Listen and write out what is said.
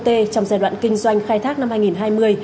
trong giai đoạn kinh doanh khai thác năm hai nghìn hai mươi